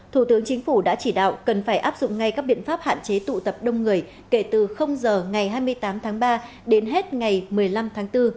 thủ tướng chính phủ đã chỉ đạo cần phải áp dụng ngay các biện pháp hạn chế tụ tập đông người kể từ giờ ngày hai mươi tám tháng ba đến hết ngày một mươi năm tháng bốn